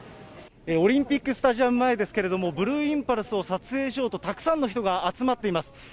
オリンピックスタジアム前ですけれども、ブルーインパルスを撮影しようと、たくさんの人が集まっています。